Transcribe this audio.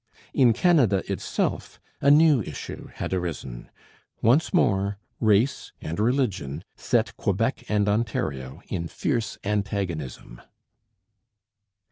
In Canada itself a new issue had arisen. Once more race and religion set Quebec and Ontario in fierce antagonism.